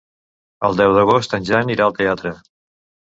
El deu d'agost en Jan irà al teatre.